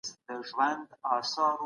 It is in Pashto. حسد د انسان نیکۍ له منځه وړي.